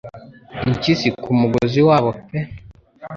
impyisi ku mugozi wabo pe